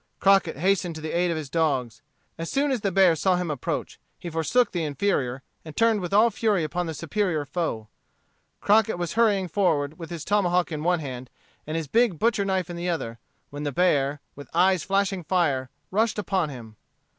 Crockett hastened to the aid of his dogs. As soon as the bear saw him approach, he forsook the inferior, and turned with all fury upon the superior foe. Crockett was hurrying forward with his tomahawk in one hand and his big butcher knife in the other, when the bear, with eyes flashing fire, rushed upon him.